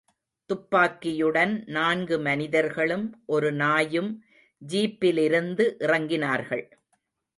துப்பாக்கியுடன் நான்கு மனிதர்களும், ஒரு நாயும் ஜீப்பிலிருந்து இறங்கினர்கள்.